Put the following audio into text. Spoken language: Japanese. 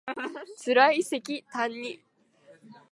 つらいせきたんに